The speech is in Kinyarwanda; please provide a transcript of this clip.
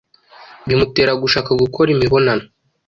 bimutera gushaka gukora imibonano